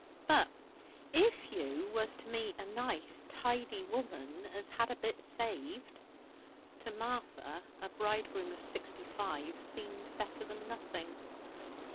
'But if you was to meet a nice tidy woman as had a bit saved?' To Martha, a bridegroom of sixty five seemed better than nothing.